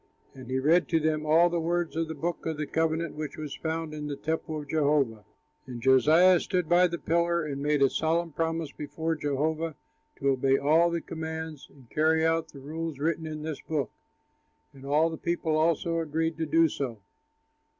And he read to them all the words of the book of the covenant which was found in the temple of Jehovah. And Josiah stood by the pillar and made a solemn promise before Jehovah to obey all the commands and carry out the rules written in this book. And all the people also agreed to do so.